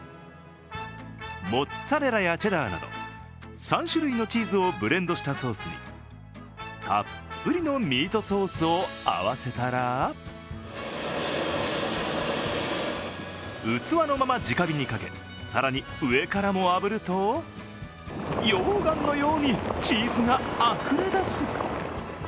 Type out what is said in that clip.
モッツァレラやチェダーなど３種類のチーズをブレンドしたソースにたっぷりのミートソースを合わせたら器のままじか火にかけ、更に上からもあぶると、溶岩のようにチーズがあふれ出す。